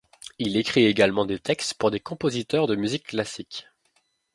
Il écrit également des textes pour des compositeurs de musique classique.